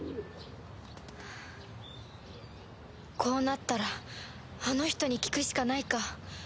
こうなったらあの人に聞くしかないか